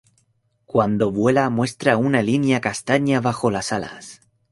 Cuando vuela muestra una línea castaña bajo las alas.